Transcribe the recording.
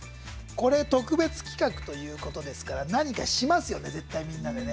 これ特別企画ということですから何かしますよね、みんなでね。